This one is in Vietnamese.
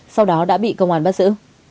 sau đó đã bị công an bắt giữ